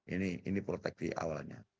ini ini proteksi awalnya